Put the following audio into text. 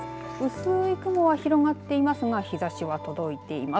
薄い雲は広がっていますが日ざしは届いています。